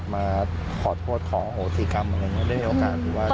พี่ไม่พร้อมที่จะเจอเขา